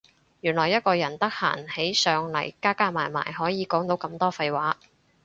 原來一個人得閒起上嚟加加埋埋可以講到咁多廢話